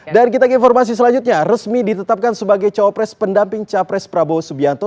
dan kita ke informasi selanjutnya resmi ditetapkan sebagai cawapres pendamping capres prabowo subianto